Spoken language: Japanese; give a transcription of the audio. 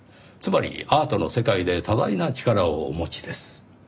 つまりアートの世界で多大な力をお持ちです。